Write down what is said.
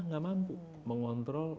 udah gak mampu mengontrol